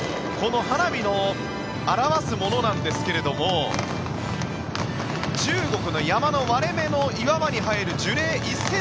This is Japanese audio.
この花火の表すものなんですけれども中国の山の割れ目の岩場に生える樹齢